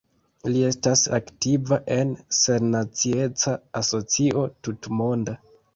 Li estas aktiva en Sennacieca Asocio Tutmonda.